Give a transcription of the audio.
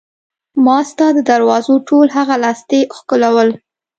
ما ستا د دروازو ټول هغه لاستي ښکلول.